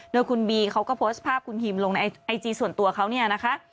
โดยคุณบีเขาก็โพสต์ภาพคุณฮิมลงในไอจีส่วนตัวเขาเนี่ยนะคะ